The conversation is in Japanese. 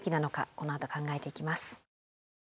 このあと考えていきます。